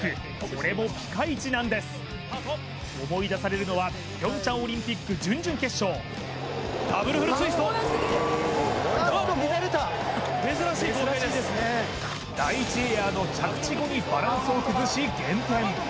これもピカイチなんです思い出されるのは平昌オリンピック準々決勝ダブルフルツイスト第１エアの着地後にバランスを崩し減点